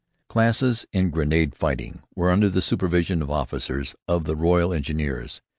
Classes in grenade fighting were under the supervision of officers of the Royal Engineers.